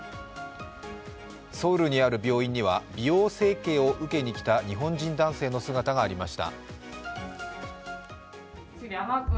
ソウルにある病院には美容整形を受けに来た日本人男性の姿もありました。